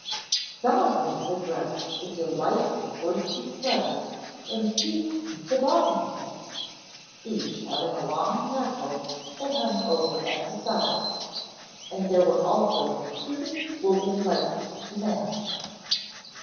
Some of them were dressed in delightful worsted sweaters and peaked toboggan caps, each having a long tassel that hung over at the side. And there were also the cutest woolen leggings to match.